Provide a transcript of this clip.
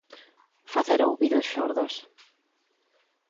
Facer ouvidos xordos.